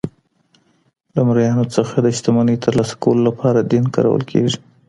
له مریانو څخه د شتمنۍ ترلاسه کولو لپاره دین کارول کیږي.